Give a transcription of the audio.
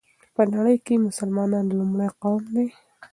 په نړۍ كې مسلمانان لومړى قوم دى